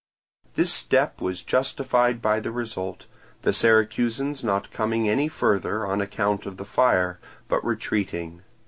This step was justified by the result, the Syracusans not coming any further on account of the fire, but retreating.